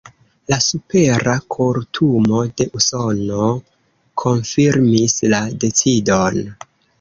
La Supera Kortumo de Usono konfirmis la decidon.